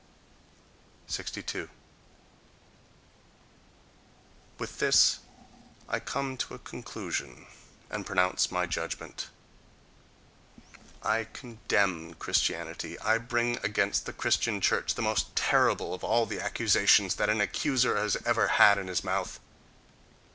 62. —With this I come to a conclusion and pronounce my judgment. I condemn Christianity; I bring against the Christian church the most terrible of all the accusations that an accuser has ever had in his mouth.